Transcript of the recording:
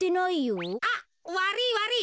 あっわりいわりい。